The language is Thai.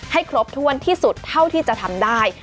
ให้ครบถ้วนที่สุดเท่าที่จะทำได้